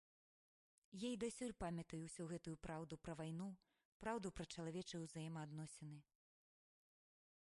Я і дасюль памятаю ўсю гэтую праўду пра вайну, праўду пра чалавечыя ўзаемаадносіны.